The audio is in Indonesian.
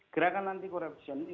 gerakan anti korupsi yang diperlukan